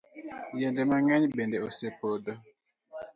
Yiende mang'eny bende osepodho.